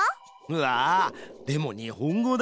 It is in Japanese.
うわでも日本語だ。